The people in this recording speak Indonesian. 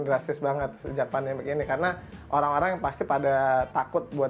drastis banget sejak pandemi ini karena orang orang yang pasti pada takut buat